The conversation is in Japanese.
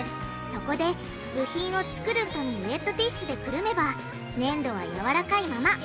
そこで部品を作るごとにウエットティッシュでくるめばねんどはやわらかいまま！